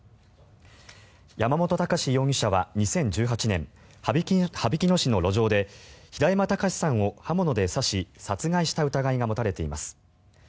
山本孝容疑者は２０１８年羽曳野市の路上で平山喬司さんを刃物で刺し殺害した疑いが持たれています。